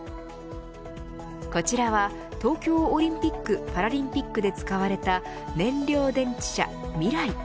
こちらは東京オリンピック・パラリンピックで使われた燃料電池車ＭＩＲＡＩ。